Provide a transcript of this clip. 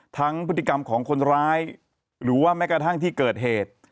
ทั้งพฤติกรรมของคนร้ายหรือว่าแม้กระทั่งที่เกิดเหตุ